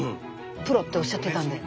プロっておっしゃってたんで。